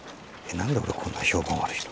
何で俺こんな評判悪いの？